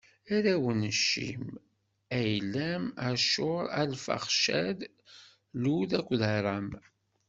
Arraw n Cim: Ɛiylam, Acur, Arfaxcad, Lud akked Aram.